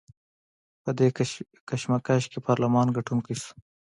په دې کشمکش کې پارلمان ګټونکی شو.